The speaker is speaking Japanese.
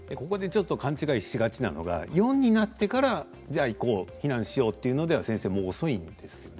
勘違いしがちなのが４になってから避難しようというのではもう遅いんですよね。